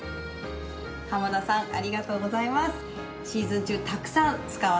浜田さんありがとうございます。